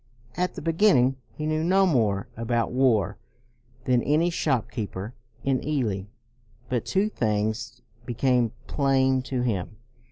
At the beginning, he knew no more about war than any shop keeper in Ely; but two things became plain to him.